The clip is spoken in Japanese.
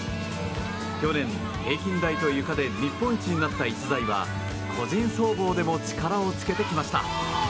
去年、平均台とゆかで日本一になった逸材は個人総合でも力をつけてきました。